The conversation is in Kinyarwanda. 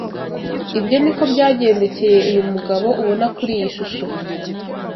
Ibyo ni ko byagendekeye uyu mugabo ubona kuri iyi shusho